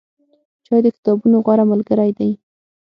چای د کتابونو غوره ملګری دی.